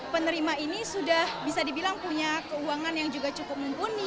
penerima ini sudah bisa dibilang punya keuangan yang juga cukup mumpuni